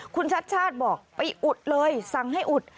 คุณชัดชาติบอกไปอุดเลยสั่งให้อุด